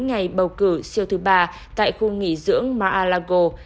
ngày bầu cử siêu thứ ba tại khu nghỉ dưỡng mar a lago